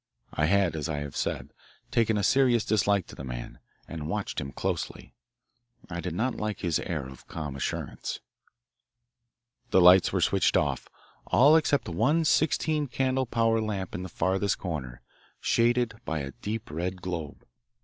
I had, as I have said, taken a serious dislike to the man, and watched him closely. I did not like his air of calm assurance. The lights were switched off, all except one sixteen candle power lamp in the farthest corner, shaded by a deep red globe.